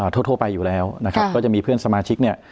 ทั่วไปอยู่แล้วนะครับก็จะมีเพื่อนสมาชิกเนี่ย